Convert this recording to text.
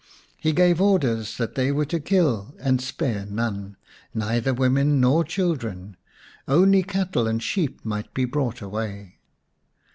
He gave orders that they were to kill and spare none, neither women nor children. Only cattle and sheep might be brought away.